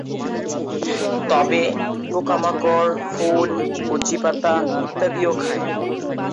তবে পোকামাকড়, ফুল, কচি পাতা ইত্যাদিও খায়।